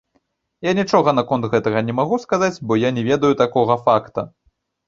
Я нічога наконт гэтага не магу сказаць, бо я не ведаю такога факта.